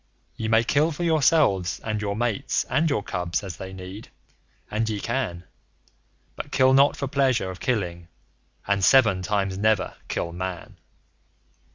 Ye may kill for yourselves, and your mates, and your cubs as they need, and ye can; But kill not for pleasure of killing, and SEVEN TIMES NEVER KILL MAN.